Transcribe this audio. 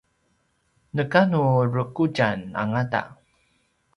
nekanu rekutjan angata